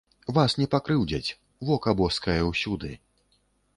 Вас не пакрыўдзяць, вока боскае ўсюды.